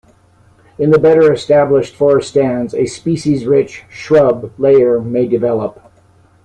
In the better established forest stands, a species-rich shrub layer may develop.